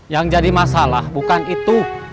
yang jadi masalah bukan itu